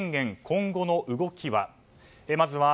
今後の動きは？